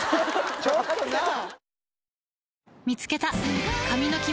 ちょっとなぁ。